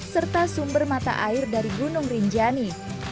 serta sumber mata air dari gunung rinjani